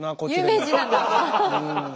有名人なんだ。